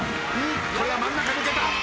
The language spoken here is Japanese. これは真ん中抜けた。